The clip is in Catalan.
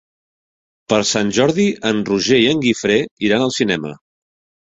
Per Sant Jordi en Roger i en Guifré iran al cinema.